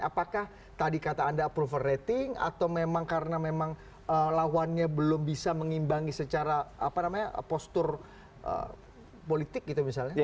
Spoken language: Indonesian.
apakah tadi kata anda approval rating atau memang karena memang lawannya belum bisa mengimbangi secara apa namanya postur politik gitu misalnya